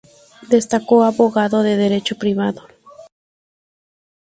Destacado abogado de derecho privado.